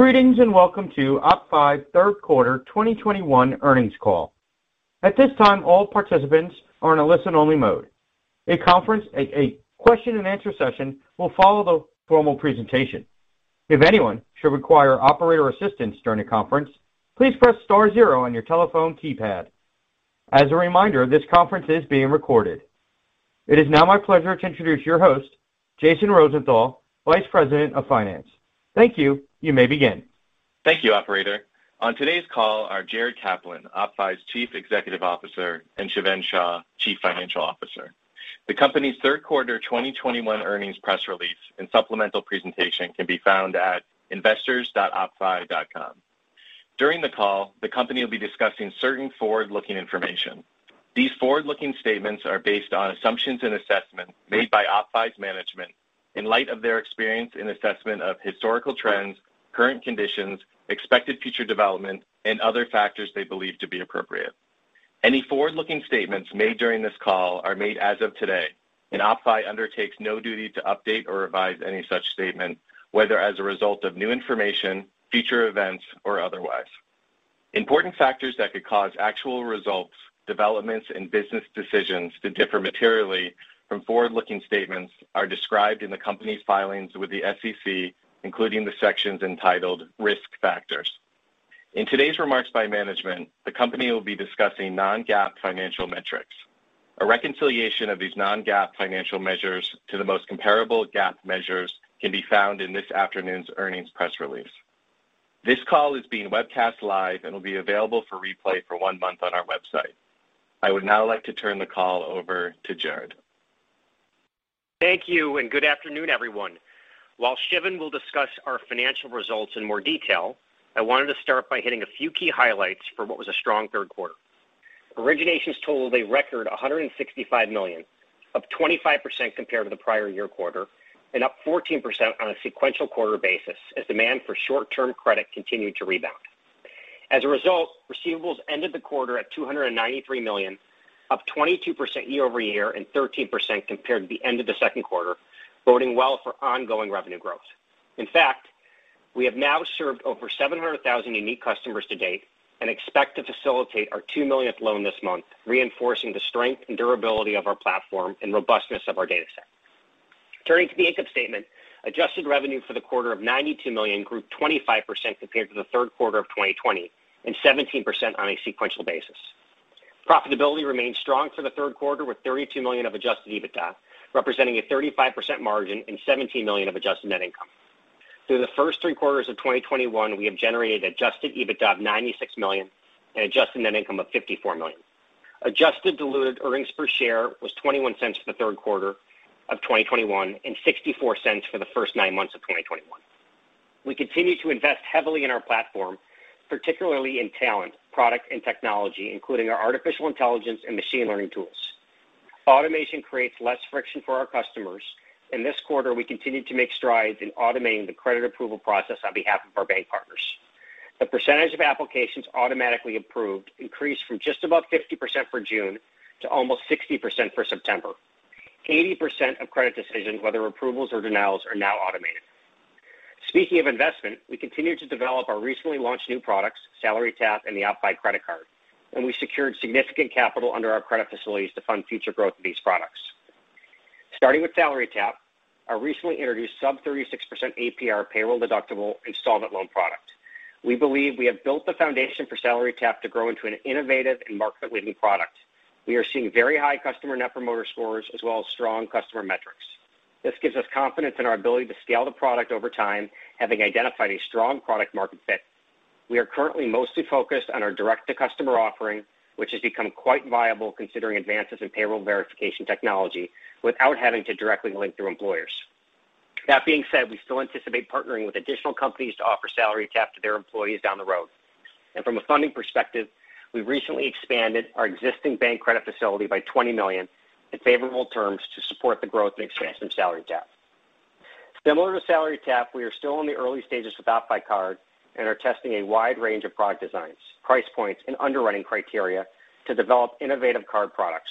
Greetings, and welcome to OppFi's third quarter 2021 earnings call. At this time, all participants are in a listen-only mode. A question and answer session will follow the formal presentation. If anyone should require operator assistance during the conference, please press star zero on your telephone keypad. As a reminder, this conference is being recorded. It is now my pleasure to introduce your host, Jason Rosenthal, Vice President of Finance. Thank you. You may begin. Thank you, operator. On today's call are Jared Kaplan, OppFi's Chief Executive Officer, and Shiven Shah, Chief Financial Officer. The company's third quarter 2021 earnings press release and supplemental presentation can be found at investors.oppfi.com. During the call, the company will be discussing certain forward-looking information. These forward-looking statements are based on assumptions and assessments made by OppFi's management in light of their experience and assessment of historical trends, current conditions, expected future developments, and other factors they believe to be appropriate. Any forward-looking statements made during this call are made as of today, and OppFi undertakes no duty to update or revise any such statement, whether as a result of new information, future events, or otherwise. Important factors that could cause actual results, developments, and business decisions to differ materially from forward-looking statements are described in the company's filings with the SEC, including the sections entitled Risk Factors. In today's remarks by management, the company will be discussing non-GAAP financial metrics. A reconciliation of these non-GAAP financial measures to the most comparable GAAP measures can be found in this afternoon's earnings press release. This call is being webcast live and will be available for replay for one month on our website. I would now like to turn the call over to Jared. Thank you, and good afternoon, everyone. While Shiven will discuss our financial results in more detail, I wanted to start by hitting a few key highlights for what was a strong third quarter. Originations totaled a record $165 million, up 25% compared to the prior year quarter and up 14% on a sequential quarter basis as demand for short-term credit continued to rebound. As a result, receivables ended the quarter at $293 million, up 22% year-over-year and 13% compared to the end of the second quarter, boding well for ongoing revenue growth. In fact, we have now served over 700,000 unique customers to date and expect to facilitate our 2 millionth loan this month, reinforcing the strength and durability of our platform and robustness of our data set. Turning to the income statement, adjusted revenue for the quarter of $92 million grew 25% compared to the third quarter of 2020 and 17% on a sequential basis. Profitability remained strong for the third quarter, with $32 million of adjusted EBITDA, representing a 35% margin and $17 million of adjusted net income. Through the first three quarters of 2021, we have generated adjusted EBITDA of $96 million and adjusted net income of $54 million. Adjusted diluted earnings per share was $0.21 for the third quarter of 2021 and $0.64 for the first nine months of 2021. We continue to invest heavily in our platform, particularly in talent, product, and technology, including our artificial intelligence and machine learning tools. Automation creates less friction for our customers. In this quarter, we continued to make strides in automating the credit approval process on behalf of our bank partners. The percentage of applications automatically approved increased from just above 50% for June to almost 60% for September. 80% of credit decisions, whether approvals or denials, are now automated. Speaking of investment, we continue to develop our recently launched new products, SalaryTap and the OppFi Card, and we secured significant capital under our credit facilities to fund future growth of these products. Starting with SalaryTap, our recently introduced sub-36% APR payroll-deductible installment loan product, we believe we have built the foundation for SalaryTap to grow into an innovative and market-leading product. We are seeing very high customer Net Promoter Scores as well as strong customer metrics. This gives us confidence in our ability to scale the product over time, having identified a strong product market fit. We are currently mostly focused on our direct-to-customer offering, which has become quite viable considering advances in payroll verification technology without having to directly link through employers. That being said, we still anticipate partnering with additional companies to offer SalaryTap to their employees down the road. From a funding perspective, we recently expanded our existing bank credit facility by $20 million in favorable terms to support the growth and expansion of SalaryTap. Similar to SalaryTap, we are still in the early stages with OppFi Card and are testing a wide range of product designs, price points, and underwriting criteria to develop innovative card products.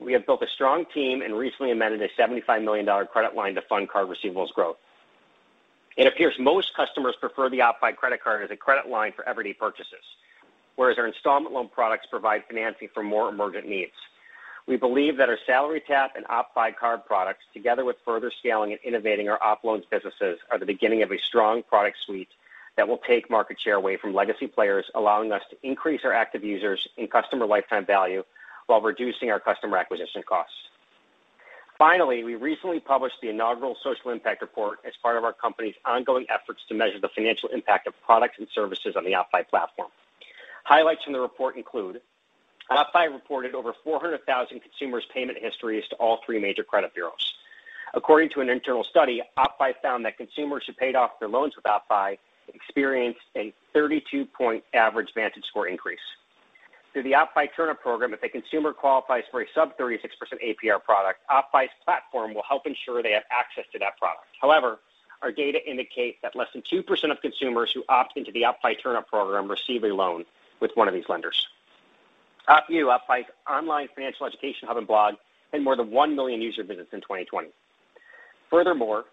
We have built a strong team and recently amended a $75 million credit line to fund card receivables growth. It appears most customers prefer the OppFi Card as a credit line for everyday purchases, whereas our installment loan products provide financing for more emergent needs. We believe that our SalaryTap and OppFi Card products, together with further scaling and innovating our OppLoans businesses, are the beginning of a strong product suite that will take market share away from legacy players, allowing us to increase our active users and customer lifetime value while reducing our customer acquisition costs. Finally, we recently published the inaugural Social Impact Report as part of our company's ongoing efforts to measure the financial impact of products and services on the OppFi platform. Highlights from the report include OppFi reported over 400,000 consumers' payment histories to all three major credit bureaus. According to an internal study, OppFi found that consumers who paid off their loans with OppFi experienced a 32-point average VantageScore increase. Through the OppFi TurnUp program, if a consumer qualifies for a sub-36% APR product, OppFi's platform will help ensure they have access to that product. However, our data indicates that less than 2% of consumers who opt into the OppFi TurnUp program receive a loan with one of these lenders. OppU, OppFi's online financial education hub and blog, had more than 1 million user visits in 2020. Furthermore,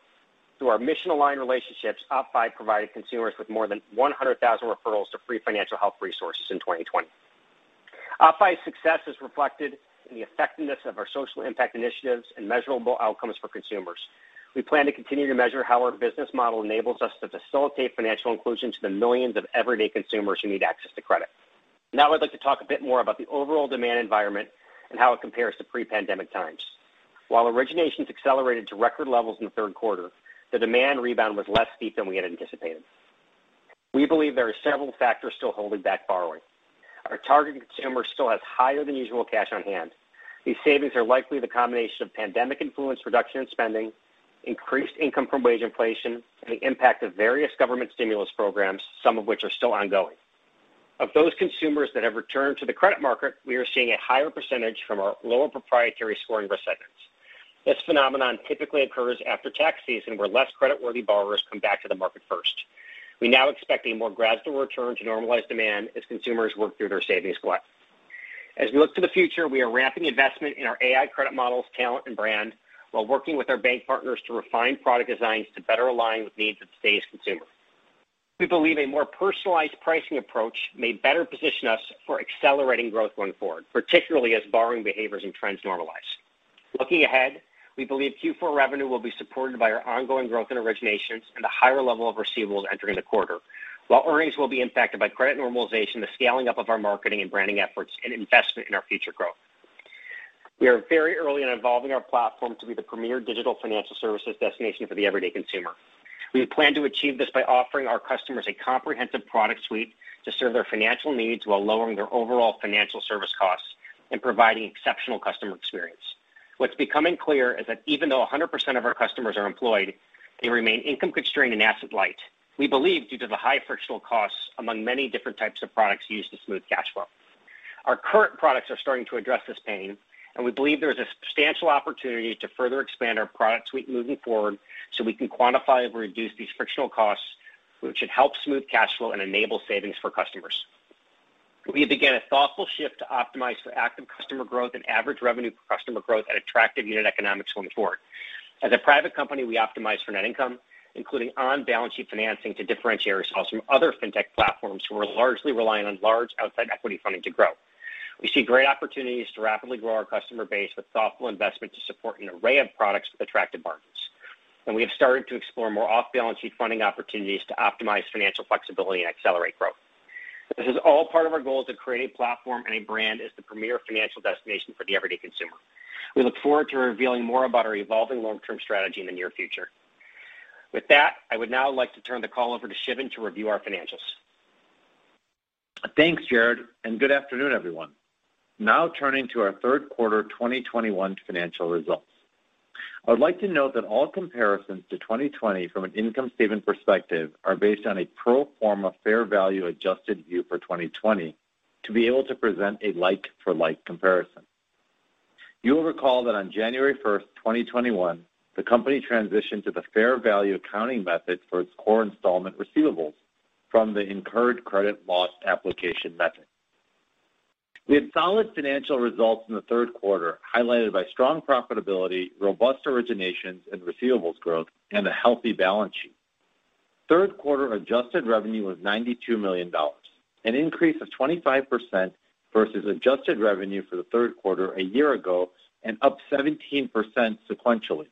through our mission-aligned relationships, OppFi provided consumers with more than 100,000 referrals to free financial health resources in 2020. OppFi's success is reflected in the effectiveness of our social impact initiatives and measurable outcomes for consumers. We plan to continue to measure how our business model enables us to facilitate financial inclusion to the millions of everyday consumers who need access to credit. Now, I'd like to talk a bit more about the overall demand environment and how it compares to pre-pandemic times. While originations accelerated to record levels in the third quarter, the demand rebound was less steep than we had anticipated. We believe there are several factors still holding back borrowing. Our target consumer still has higher than usual cash on hand. These savings are likely the combination of pandemic-influenced reduction in spending, increased income from wage inflation, and the impact of various government stimulus programs, some of which are still ongoing. Of those consumers that have returned to the credit market, we are seeing a higher percentage from our lower proprietary scoring risk segments. This phenomenon typically occurs after tax season, where less creditworthy borrowers come back to the market first. We now expect a more gradual return to normalized demand as consumers work through their savings glut. As we look to the future, we are ramping investment in our AI credit models, talent, and brand while working with our bank partners to refine product designs to better align with needs of today's consumer. We believe a more personalized pricing approach may better position us for accelerating growth going forward, particularly as borrowing behaviors and trends normalize. Looking ahead, we believe Q4 revenue will be supported by our ongoing growth in originations and the higher level of receivables entering the quarter. While earnings will be impacted by credit normalization, the scaling up of our marketing and branding efforts, and investment in our future growth. We are very early in evolving our platform to be the premier digital financial services destination for the everyday consumer. We plan to achieve this by offering our customers a comprehensive product suite to serve their financial needs while lowering their overall financial service costs and providing exceptional customer experience. What's becoming clear is that even though 100% of our customers are employed, they remain income-constrained and asset light due to the high frictional costs among many different types of products used to smooth cash flow. Our current products are starting to address this pain, and we believe there is a substantial opportunity to further expand our product suite moving forward, so we can quantify and reduce these frictional costs, which should help smooth cash flow and enable savings for customers. We began a thoughtful shift to optimize for active customer growth and average revenue per customer growth at attractive unit economics going forward. As a private company, we optimize for net income, including on-balance sheet financing to differentiate ourselves from other fintech platforms who are largely reliant on large outside equity funding to grow. We see great opportunities to rapidly grow our customer base with thoughtful investment to support an array of products with attractive margins. We have started to explore more off-balance sheet funding opportunities to optimize financial flexibility and accelerate growth. This is all part of our goal to create a platform and a brand as the premier financial destination for the everyday consumer. We look forward to revealing more about our evolving long-term strategy in the near future. With that, I would now like to turn the call over to Shiven to review our financials. Thanks, Jared, and good afternoon, everyone. Now turning to our third quarter 2021 financial results. I would like to note that all comparisons to 2020 from an income statement perspective are based on a pro forma fair value adjusted view for 2020 to be able to present a like for like comparison. You will recall that on January 1, 2021, the company transitioned to the fair value accounting method for its core installment receivables from the Incurred Credit Loss Accounting method. We had solid financial results in the third quarter, highlighted by strong profitability, robust originations and receivables growth, and a healthy balance sheet. Third quarter adjusted revenue was $92 million, an increase of 25% versus adjusted revenue for the third quarter a year ago and up 17% sequentially.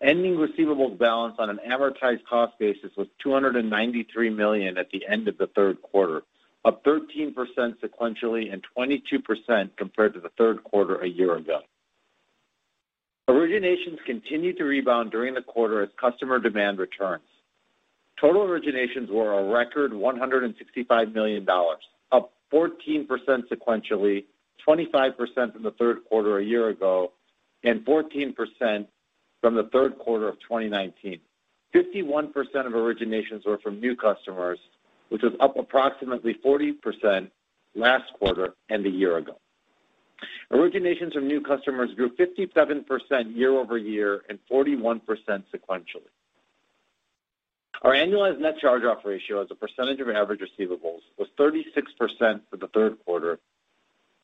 Ending receivables balance on an amortized cost basis was $293 million at the end of the third quarter, up 13% sequentially and 22% compared to the third quarter a year ago. Originations continued to rebound during the quarter as customer demand returns. Total originations were a record $165 million, up 14% sequentially, 25% from the third quarter a year ago, and 14% from the third quarter of 2019. 51% of originations were from new customers, which was up approximately 40% last quarter and a year ago. Originations from new customers grew 57% year-over-year and 41% sequentially. Our annualized net charge-off ratio as a percentage of average receivables was 36% for the third quarter.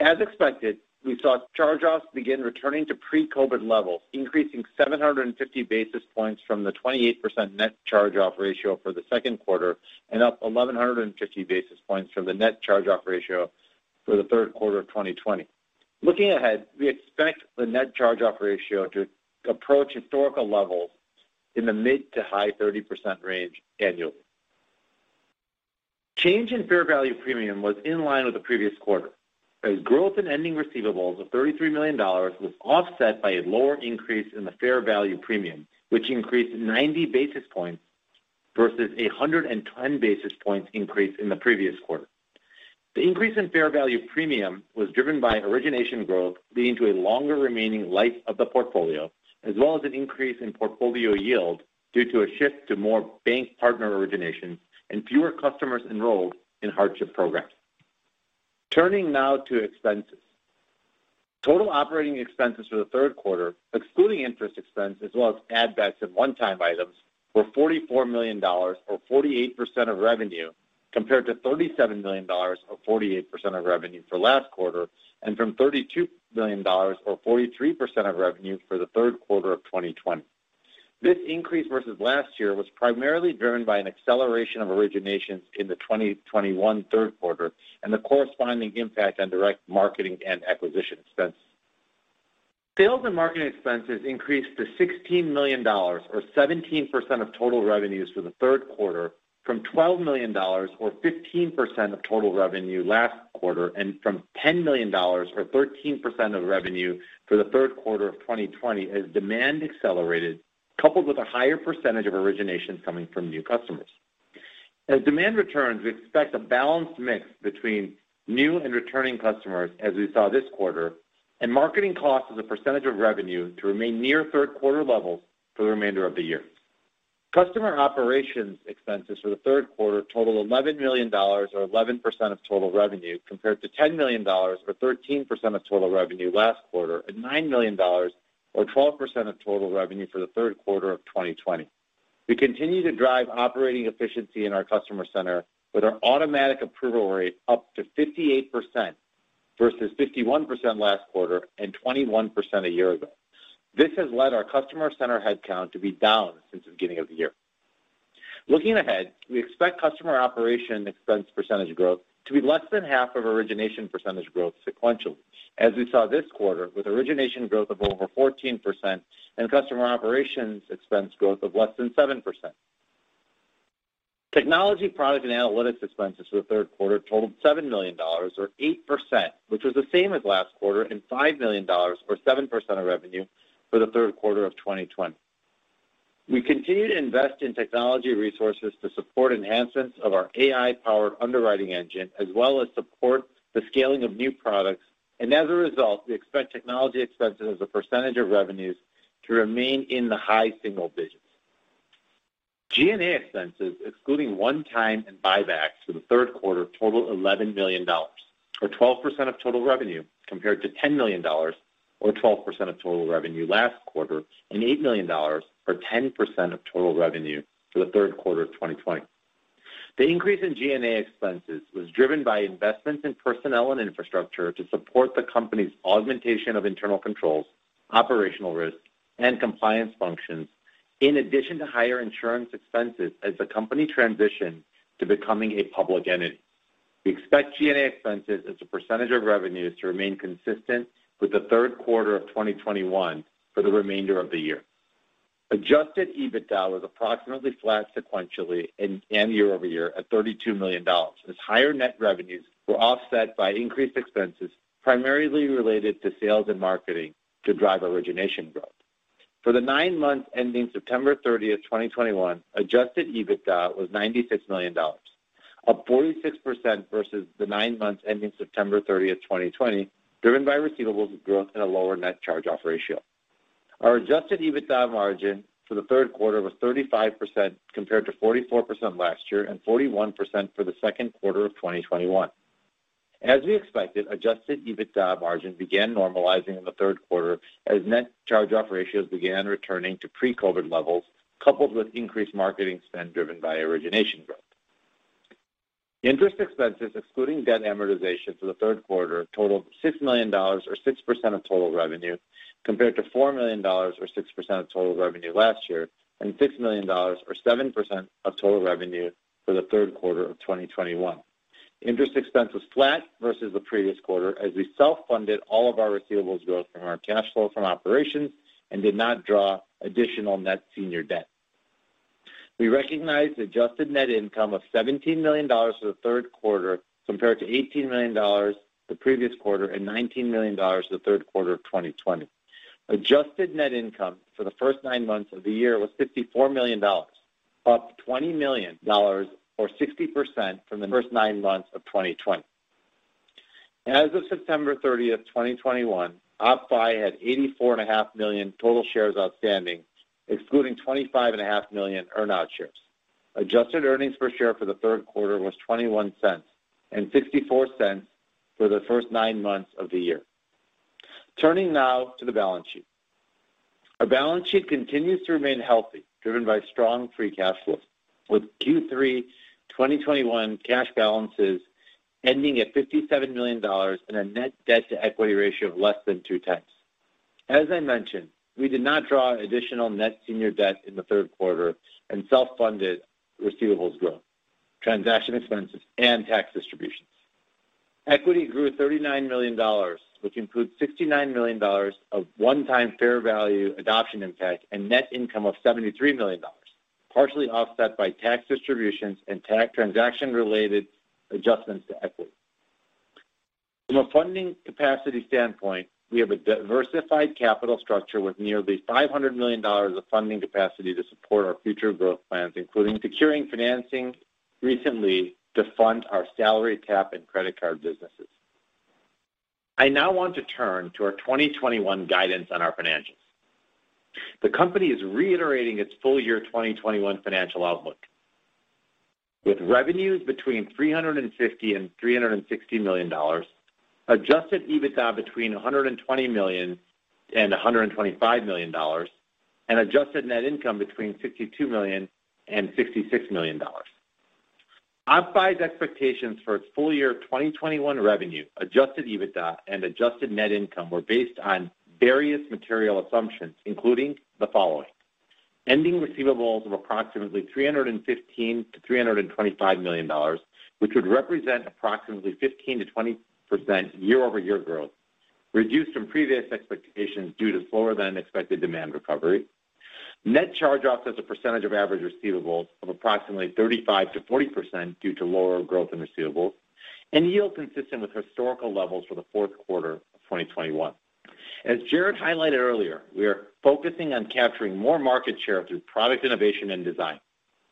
As expected, we saw charge-offs begin returning to pre-COVID levels, increasing 750 basis points from the 28% net charge-off ratio for the second quarter and up 1,150 basis points from the net charge-off ratio for the third quarter of 2020. Looking ahead, we expect the net charge-off ratio to approach historical levels in the mid- to high-30% range annually. Change in fair value premium was in line with the previous quarter. As growth in ending receivables of $33 million was offset by a lower increase in the fair value premium, which increased 90 basis points versus a 110 basis points increase in the previous quarter. The increase in fair value premium was driven by origination growth, leading to a longer remaining life of the portfolio, as well as an increase in portfolio yield due to a shift to more bank partner originations and fewer customers enrolled in hardship programs. Turning now to expenses. Total operating expenses for the third quarter, excluding interest expense as well as ad backs and one-time items, were $44 million or 48% of revenue, compared to $37 million, or 48% of revenue for last quarter and from $32 million or 43% of revenue for the third quarter of 2020. This increase versus last year was primarily driven by an acceleration of originations in the 2021 third quarter and the corresponding impact on direct marketing and acquisition expenses. Sales and marketing expenses increased to $16 million or 17% of total revenues for the third quarter from $12 million or 15% of total revenue last quarter, and from $10 million or 13% of revenue for the third quarter of 2020 as demand accelerated, coupled with a higher percentage of originations coming from new customers. As demand returns, we expect a balanced mix between new and returning customers as we saw this quarter, and marketing costs as a percentage of revenue to remain near third quarter levels for the remainder of the year. Customer operations expenses for the third quarter totaled $11 million or 11% of total revenue, compared to $10 million or 13% of total revenue last quarter, and $9 million or 12% of total revenue for the third quarter of 2020. We continue to drive operating efficiency in our customer center with our automatic approval rate up to 58% versus 51% last quarter and 21% a year ago. This has led our customer center headcount to be down since the beginning of the year. Looking ahead, we expect customer operation expense percentage growth to be less than half of origination percentage growth sequentially, as we saw this quarter, with origination growth of over 14% and customer operations expense growth of less than 7%. Technology, product and analytics expenses for the third quarter totaled $7 million or 8%, which was the same as last quarter and $5 million or 7% of revenue for the third quarter of 2020. We continue to invest in technology resources to support enhancements of our AI-powered underwriting engine, as well as support the scaling of new products. As a result, we expect technology expenses as a percentage of revenues to remain in the high single digits. G&A expenses excluding one-time and buybacks for the third quarter totaled $11 million, or 12% of total revenue, compared to $10 million or 12% of total revenue last quarter and $8 million or 10% of total revenue for the third quarter of 2020. The increase in G&A expenses was driven by investments in personnel and infrastructure to support the company's augmentation of internal controls, operational risks and compliance functions, in addition to higher insurance expenses as the company transitioned to becoming a public entity. We expect G&A expenses as a percentage of revenues to remain consistent with the third quarter of 2021 for the remainder of the year. Adjusted EBITDA was approximately flat sequentially and year over year at $32 million, as higher net revenues were offset by increased expenses primarily related to sales and marketing to drive origination growth. For the nine months ending September 30, 2021, adjusted EBITDA was $96 million, up 46% versus the nine months ending September 30, 2020, driven by receivables growth and a lower net charge-off ratio. Our adjusted EBITDA margin for the third quarter was 35% compared to 44% last year and 41% for the second quarter of 2021. As we expected, adjusted EBITDA margin began normalizing in the third quarter as net charge-off ratios began returning to pre-COVID levels, coupled with increased marketing spend driven by origination growth. Interest expenses excluding debt amortization for the third quarter totaled $6 million, or 6% of total revenue, compared to $4 million or 6% of total revenue last year, and $6 million or 7% of total revenue for the third quarter of 2021. Interest expense was flat versus the previous quarter as we self-funded all of our receivables growth from our cash flow from operations and did not draw additional net senior debt. We recognized adjusted net income of $17 million for the third quarter, compared to $18 million the previous quarter and $19 million the third quarter of 2020. Adjusted net income for the first nine months of the year was $54 million, up $20 million or 60% from the first nine months of 2020. As of September 30, 2021, OppFi had 84.5 million total shares outstanding, excluding 25.5 million earn out shares. Adjusted earnings per share for the third quarter was $0.21 and $0.64 for the first nine months of the year. Turning now to the balance sheet. Our balance sheet continues to remain healthy, driven by strong free cash flow. With Q3 2021 cash balances ending at $57 million and a net debt-to-equity ratio of less than 2x. As I mentioned, we did not draw additional net senior debt in the third quarter and self-funded receivables growth, transaction expenses and tax distributions. Equity grew $39 million, which includes $69 million of one-time fair value adoption impact and net income of $73 million, partially offset by tax distributions and tax transaction-related adjustments to equity. From a funding capacity standpoint, we have a diversified capital structure with nearly $500 million of funding capacity to support our future growth plans, including securing financing recently to fund our SalaryTap and OppFi Card businesses. I now want to turn to our 2021 guidance on our financials. The company is reiterating its full year 2021 financial outlook. With revenues between $350 million and $360 million, adjusted EBITDA between $120 million and $125 million, and adjusted net income between $62 million and $66 million. OppFi's expectations for its full year 2021 revenue, adjusted EBITDA, and adjusted net income were based on various material assumptions, including the following. Ending receivables of approximately $315 million-$325 million, which would represent approximately 15%-20% year-over-year growth, reduced from previous expectations due to slower than expected demand recovery. Net charge-offs as a percentage of average receivables of approximately 35%-40% due to lower growth in receivables, and yield consistent with historical levels for the fourth quarter of 2021. As Jared highlighted earlier, we are focusing on capturing more market share through product innovation and design.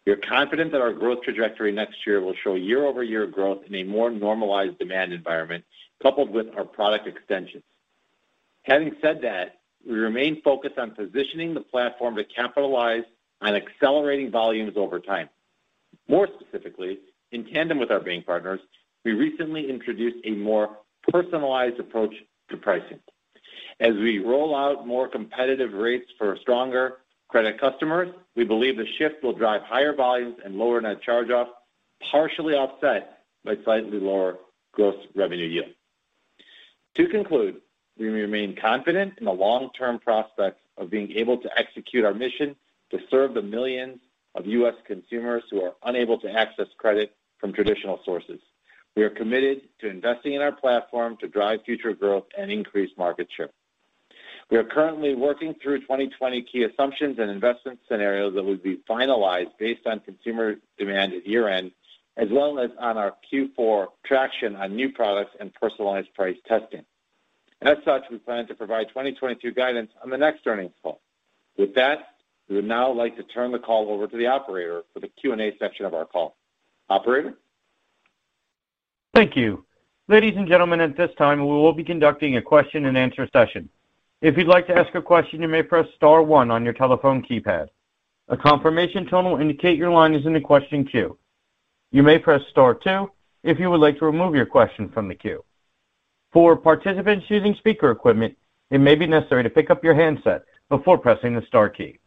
We are confident that our growth trajectory next year will show year-over-year growth in a more normalized demand environment coupled with our product extensions. Having said that, we remain focused on positioning the platform to capitalize on accelerating volumes over time. More specifically, in tandem with our bank partners, we recently introduced a more personalized approach to pricing. As we roll out more competitive rates for stronger credit customers, we believe the shift will drive higher volumes and lower net charge-offs, partially offset by slightly lower gross revenue yield. To conclude, we remain confident in the long-term prospects of being able to execute our mission to serve the millions of U.S. consumers who are unable to access credit from traditional sources. We are committed to investing in our platform to drive future growth and increase market share. We are currently working through 2020 key assumptions and investment scenarios that will be finalized based on consumer demand at year-end, as well as on our Q4 traction on new products and personalized price testing. As such, we plan to provide 2022 guidance on the next earnings call. With that, we would now like to turn the call over to the operator for the Q&A section of our call. Operator. Thank you. Ladies and gentlemen, at this time, we will be conducting a question-and-answer session. If you'd like to ask a question, you may press star one on your telephone keypad. A confirmation tone will indicate your line is in the question queue. You may press star two if you would like to remove your question from the queue. For participants using speaker equipment, it may be necessary to pick up your handset before pressing the star key.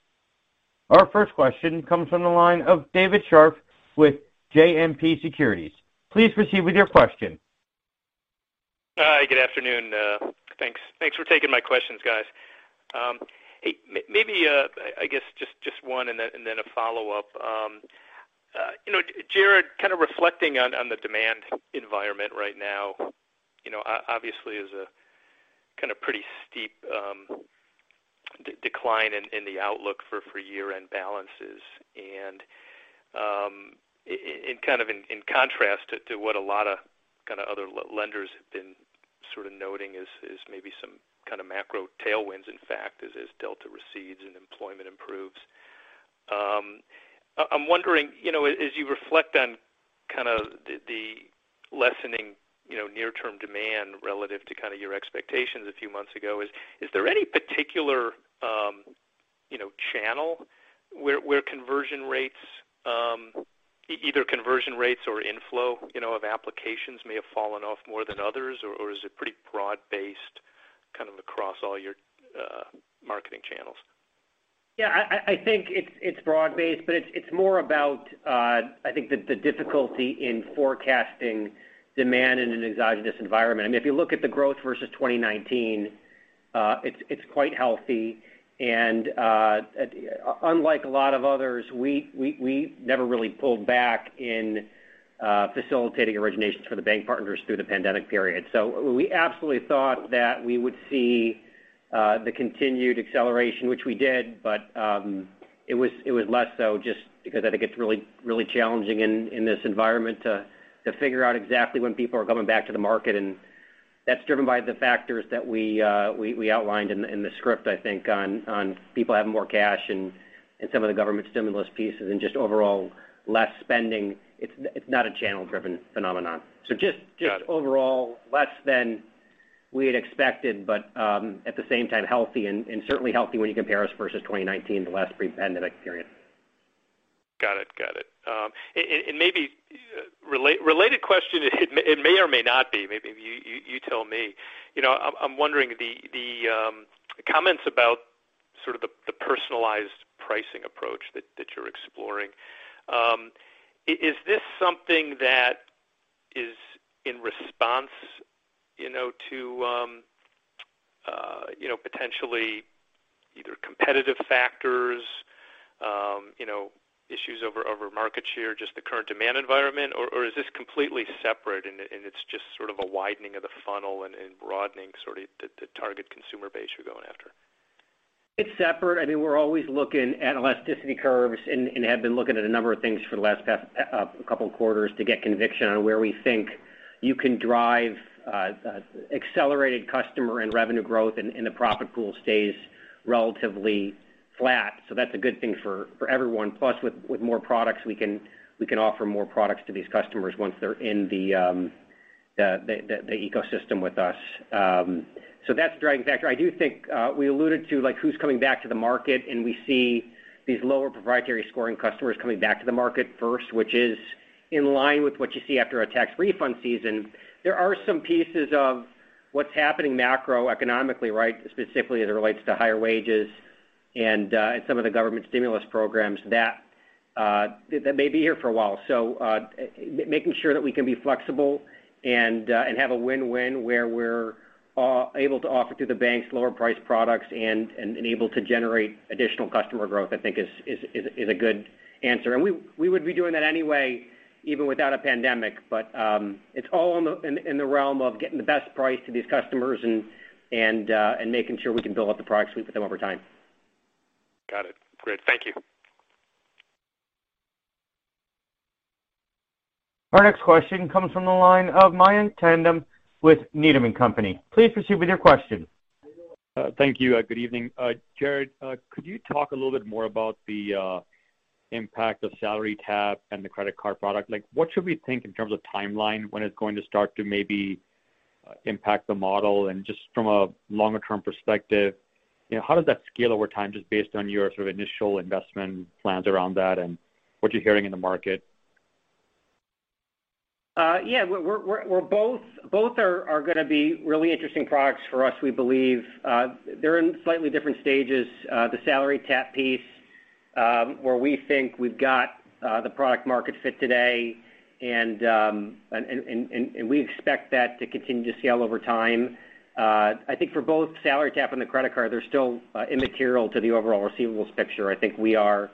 Our first question comes from the line of David Scharf with JMP Securities. Please proceed with your question. Hi. Good afternoon. Thanks for taking my questions, guys. Hey, maybe I guess just one and then a follow-up. You know, Jared, kind of reflecting on the demand environment right now. You know, obviously, there's a kind of pretty steep decline in the outlook for year-end balances. In contrast to what a lot of other lenders have been sort of noting is maybe some kind of macro tailwinds, in fact, as delta recedes and employment improves. I'm wondering, you know, as you reflect on kind of the lessening near-term demand relative to kind of your expectations a few months ago. Is there any particular, you know, channel where conversion rates, either conversion rates or inflow, you know, of applications may have fallen off more than others, or is it pretty broad-based kind of across all your marketing channels? Yeah. I think it's broad-based, but it's more about, I think the difficulty in forecasting demand in an exogenous environment. I mean, if you look at the growth versus 2019, it's quite healthy and, unlike a lot of others, we never really pulled back in facilitating originations for the bank partners through the pandemic period. We absolutely thought that we would see the continued acceleration, which we did, but it was less so just because I think it's really challenging in this environment to figure out exactly when people are coming back to the market. That's driven by the factors that we outlined in the script, I think, on people having more cash and some of the government stimulus pieces and just overall less spending. It's not a channel-driven phenomenon. Just- Got it. Just overall less than we had expected, but at the same time, healthy and certainly healthy when you compare us versus 2019, the last pre-pandemic period. Got it. Maybe related question. It may or may not be. Maybe you tell me. You know, I'm wondering about the comments about sort of the personalized pricing approach that you're exploring. Is this something that is in response, you know, to potentially either competitive factors, you know, issues over market share, just the current demand environment, or is this completely separate and it's just sort of a widening of the funnel and broadening sort of the target consumer base you're going after? It's separate. I mean, we're always looking at elasticity curves and have been looking at a number of things for the past couple quarters to get conviction on where we think you can drive accelerated customer and revenue growth and the profit pool stays relatively flat. That's a good thing for everyone. Plus, with more products, we can offer more products to these customers once they're in the The ecosystem with us. That's the driving factor. I do think we alluded to like who's coming back to the market, and we see these lower proprietary scoring customers coming back to the market first, which is in line with what you see after a tax refund season. There are some pieces of what's happening macroeconomically, right? Specifically as it relates to higher wages and some of the government stimulus programs that may be here for a while. Making sure that we can be flexible and have a win-win where we're able to offer to the banks lower price products and able to generate additional customer growth, I think is a good answer. We would be doing that anyway, even without a pandemic. It's all in the realm of getting the best price to these customers and making sure we can build out the product suite with them over time. Got it. Great. Thank you. Our next question comes from the line of Mayank Tandon with Needham & Company. Please proceed with your question. Thank you. Good evening. Jared, could you talk a little bit more about the impact of SalaryTap and the credit card product? Like, what should we think in terms of timeline when it's going to start to maybe impact the model? Just from a longer term perspective, you know, how does that scale over time, just based on your sort of initial investment plans around that and what you're hearing in the market? Yeah. Both are gonna be really interesting products for us, we believe. They're in slightly different stages. The SalaryTap piece, where we think we've got the product market fit today and we expect that to continue to scale over time. I think for both SalaryTap and the credit card, they're still immaterial to the overall receivables picture. I think we are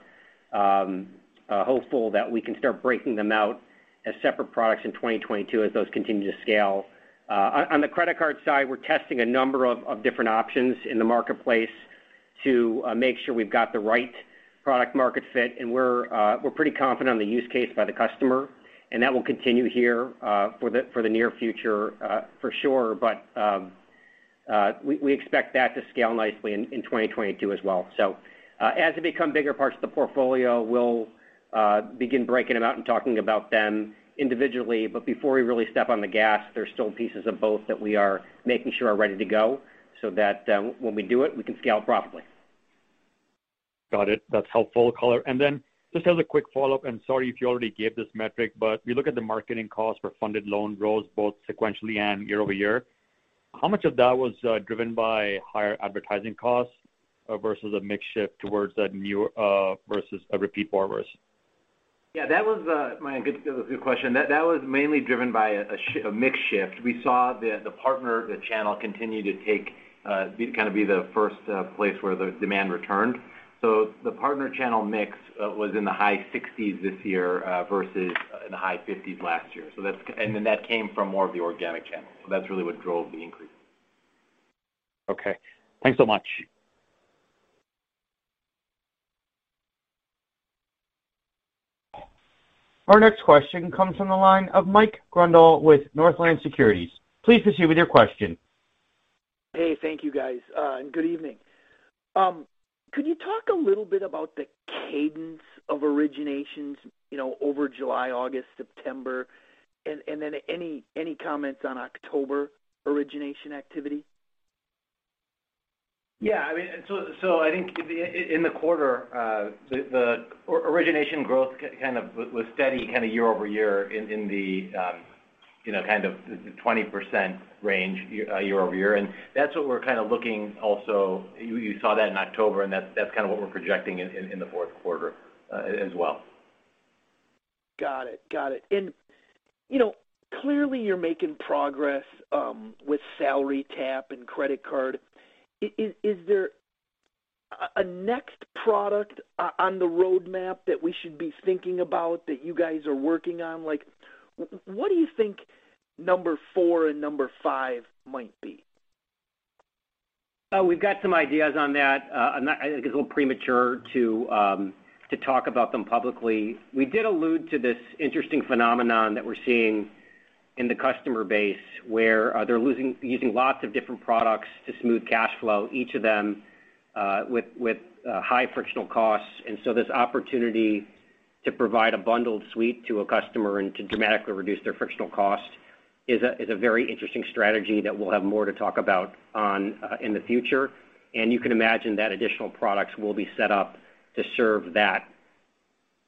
hopeful that we can start breaking them out as separate products in 2022 as those continue to scale. On the credit card side, we're testing a number of different options in the marketplace to make sure we've got the right product market fit, and we're pretty confident on the use case by the customer, and that will continue here for the near future for sure. We expect that to scale nicely in 2022 as well. As they become bigger parts of the portfolio, we'll begin breaking them out and talking about them individually. Before we really step on the gas, there's still pieces of both that we are making sure are ready to go so that when we do it, we can scale properly. Got it. That's helpful color. Just as a quick follow-up, and sorry if you already gave this metric, but we look at the marketing costs for funded loan growth both sequentially and year-over-year. How much of that was driven by higher advertising costs versus a mix shift towards that new versus repeat borrowers? Yeah, that was, Mayank, good question. That was mainly driven by a mix shift. We saw the partner channel continue to take kind of be the first place where the demand returned. The partner channel mix was in the high 60s% this year versus in the high 50s% last year. That's what came from more of the organic channels. That's really what drove the increase. Okay. Thanks so much. Our next question comes from the line of Michael Grondahl with Northland Securities. Please proceed with your question. Hey. Thank you, guys. Good evening. Could you talk a little bit about the cadence of originations, you know, over July, August, September? Any comments on October origination activity? Yeah. I mean, so I think in the quarter, the origination growth kind of was steady kind of year-over-year in, you know, kind of the 20% range year-over-year. That's what we're kind of looking also. You saw that in October, and that's kind of what we're projecting in the fourth quarter, as well. Got it. You know, clearly you're making progress with SalaryTap and credit card. Is there a next product on the roadmap that we should be thinking about that you guys are working on? Like, what do you think number 4 and number 5 might be? We've got some ideas on that. I think it's a little premature to talk about them publicly. We did allude to this interesting phenomenon that we're seeing in the customer base, where they're using lots of different products to smooth cash flow, each of them with high frictional costs. This opportunity to provide a bundled suite to a customer and to dramatically reduce their frictional cost is a very interesting strategy that we'll have more to talk about in the future. You can imagine that additional products will be set up to serve that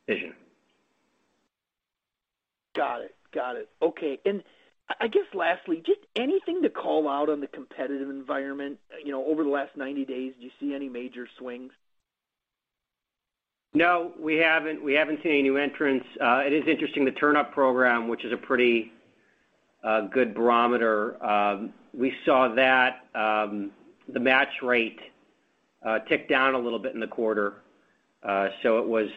vision. Got it. Okay. I guess lastly, just anything to call out on the competitive environment? You know, over the last 90 days, do you see any major swings? No, we haven't. We haven't seen any new entrants. It is interesting, the TurnUp program, which is a pretty good barometer. We saw that the match rate tick down a little bit in the quarter. So it was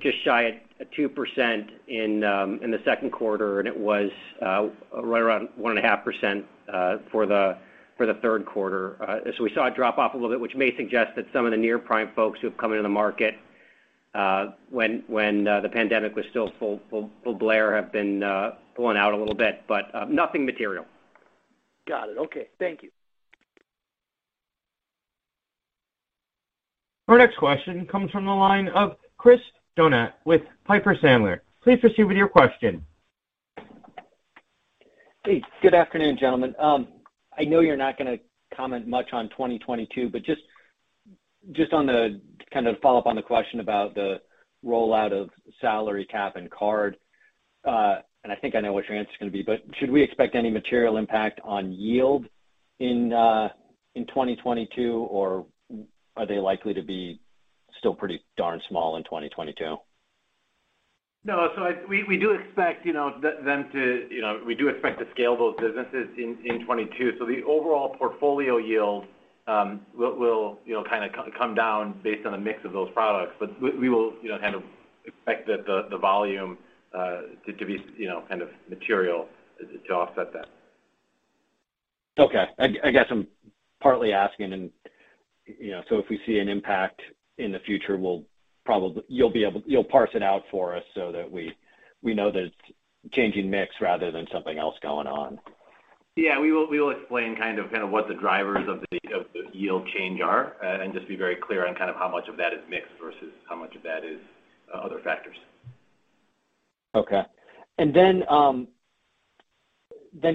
just shy of 2% in the second quarter, and it was right around 1.5% for the third quarter. So we saw it drop off a little bit, which may suggest that some of the near-prime folks who have come into the market when the pandemic was still full blare have been pulling out a little bit, but nothing material. Got it. Okay. Thank you. Our next question comes from the line of Chris Donat with Piper Sandler. Please proceed with your question. Hey, good afternoon, gentlemen. I know you're not gonna comment much on 2022, but just to kind of follow up on the question about the rollout of SalaryTap and OppFi Card, and I think I know what your answer is gonna be, but should we expect any material impact on yield in 2022, or are they likely to be still pretty darn small in 2022? No. We do expect, you know, them to scale those businesses in 2022. The overall portfolio yield will, you know, kind of come down based on the mix of those products. We will, you know, kind of expect that the volume to be, you know, kind of material to offset that. Okay. I guess I'm partly asking and, you know, so if we see an impact in the future, you'll parse it out for us so that we know that it's changing mix rather than something else going on. Yeah. We will explain kind of what the drivers of the yield change are, and just be very clear on kind of how much of that is mixed versus how much of that is other factors. Okay.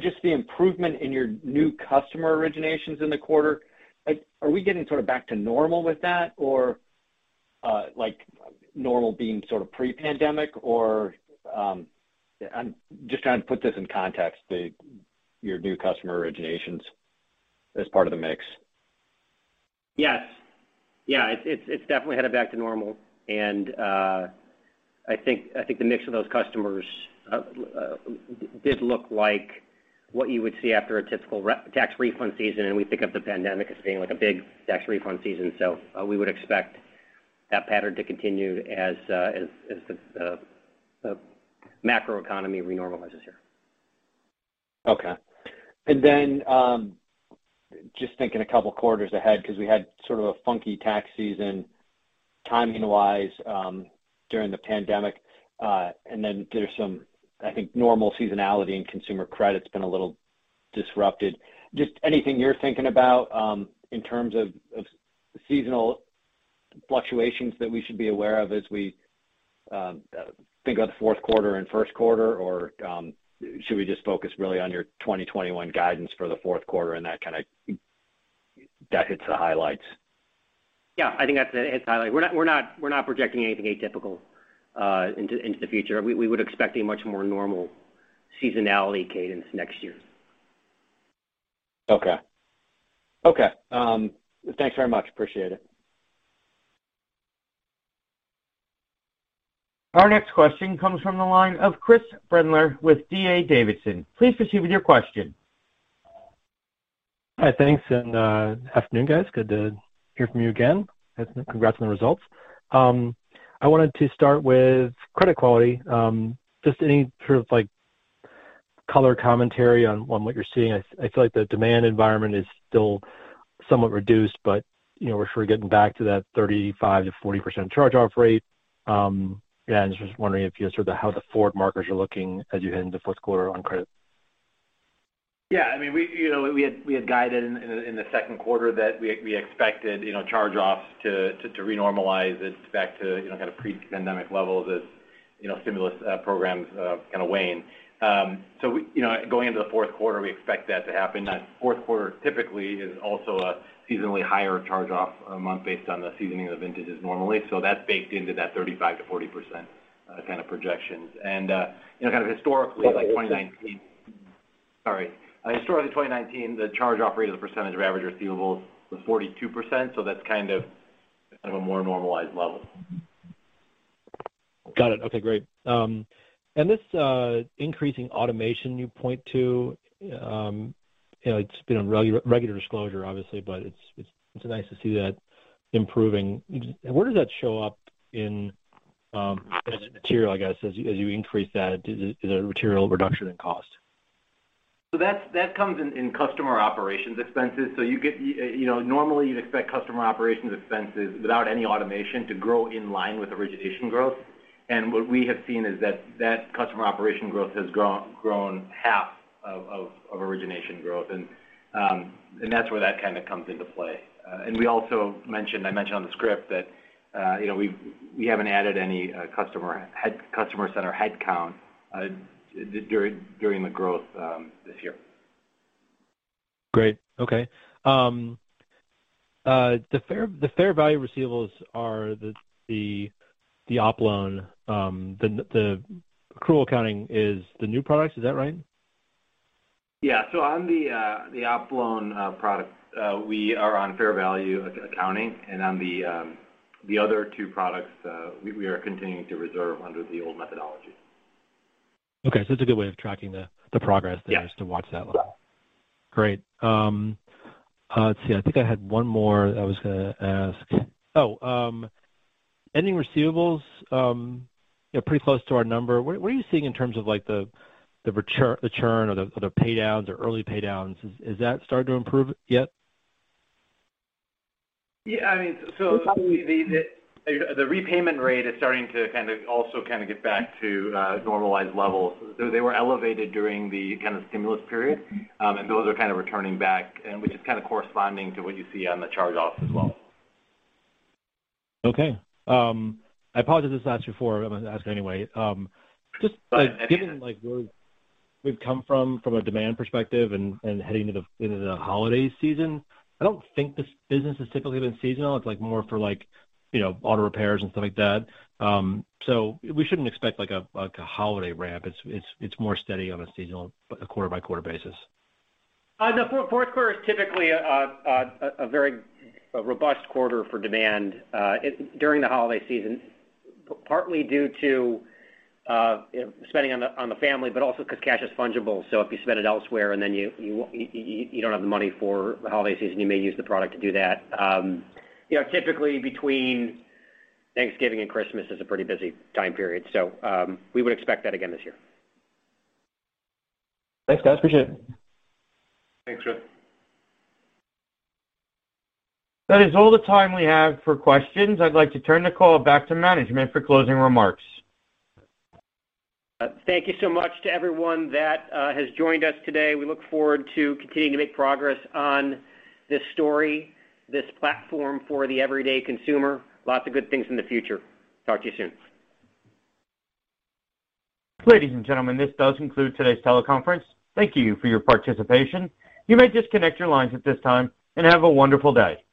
Just the improvement in your new customer originations in the quarter. Like, are we getting sort of back to normal with that? Or, like normal being sort of pre-pandemic? I'm just trying to put this in context, your new customer originations as part of the mix. Yes. Yeah. It's definitely headed back to normal. I think the mix of those customers did look like what you would see after a typical tax refund season, and we think of the pandemic as being like a big tax refund season. We would expect that pattern to continue as the macro economy re-normalizes here. Okay. Just thinking a couple quarters ahead because we had sort of a funky tax season timing-wise during the pandemic. There's some, I think, normal seasonality and consumer credit's been a little disrupted. Just anything you're thinking about in terms of seasonal fluctuations that we should be aware of as we think of the fourth quarter and first quarter, or should we just focus really on your 2021 guidance for the fourth quarter and that kind of dig into the highlights? Yeah. I think that's it. It's highlight. We're not projecting anything atypical into the future. We would expect a much more normal seasonality cadence next year. Okay. Thanks very much. Appreciate it. Our next question comes from the line of Chris Brendler with D.A. Davidson. Please proceed with your question. Hi. Thanks. Afternoon, guys. Good to hear from you again. Congrats on the results. I wanted to start with credit quality. Just any sort of like color commentary on what you're seeing. I feel like the demand environment is still somewhat reduced, but you know, we're sure getting back to that 35%-40% charge-off rate. Yeah, I'm just wondering if you sort of how the forward markers are looking as you head into fourth quarter on credit. Yeah. I mean, we had guided in the second quarter that we expected charge-offs to re-normalize back to kind of pre-pandemic levels as stimulus programs kind of wane. Going into the fourth quarter, we expect that to happen. Now fourth quarter typically is also a seasonally higher charge-off month based on the seasoning of the vintages normally. That's baked into that 35%-40% kind of projections. You know, kind of historically, 2019, the charge-off rate as a percentage of average receivables was 42%, so that's kind of a more normalized level. Got it. Okay, great. This increasing automation you point to, you know, it's been on regular disclosure obviously, but it's nice to see that improving. Where does that show up in material, I guess, as you increase that, is it a material reduction in cost? That comes in customer operations expenses. You know, normally you'd expect customer operations expenses without any automation to grow in line with origination growth. What we have seen is that customer operation growth has grown half of origination growth. That's where that kind of comes into play. We also mentioned. I mentioned on the script that, you know, we haven't added any customer center headcount during the growth this year. Great. Okay. The fair value receivables are the OppLoans. The accrual accounting is the new products, is that right? Yeah. On the OppLoans products, we are on fair value accounting, and on the other two products, we are continuing to reserve under the old methodology. Okay. It's a good way of tracking the progress. Yeah Just to watch that one. Great. Let's see. I think I had one more I was gonna ask. Oh, ending receivables, you know, pretty close to our number. What are you seeing in terms of like the return, the churn or the pay downs or early pay downs? Is that starting to improve yet? Yeah. I mean, the repayment rate is starting to kind of also kind of get back to normalized levels. They were elevated during the kind of stimulus period, and those are kind of returning back, and which is kind of corresponding to what you see on the charge-offs as well. Okay. I apologize I asked you before. I'm gonna ask anyway. Just given like where we've come from a demand perspective and heading into the holiday season, I don't think this business has typically been seasonal. It's like more for like, you know, auto repairs and stuff like that. We shouldn't expect like a holiday ramp. It's more steady on a seasonal quarter-by-quarter basis. The fourth quarter is typically a very robust quarter for demand during the holiday season, partly due to spending on the family, but also because cash is fungible. If you spend it elsewhere and then you don't have the money for the holiday season, you may use the product to do that. You know, typically between Thanksgiving and Christmas is a pretty busy time period. We would expect that again this year. Thanks, guys. Appreciate it. Thanks, Chris. That is all the time we have for questions. I'd like to turn the call back to management for closing remarks. Thank you so much to everyone that has joined us today. We look forward to continuing to make progress on this story, this platform for the everyday consumer. Lots of good things in the future. Talk to you soon. Ladies and gentlemen, this does conclude today's teleconference. Thank you for your participation. You may disconnect your lines at this time, and have a wonderful day.